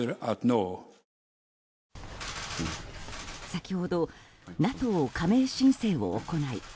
先ほどＮＡＴＯ加盟申請を行い